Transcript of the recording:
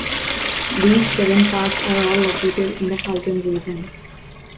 These seven parks are all located in the Halton region.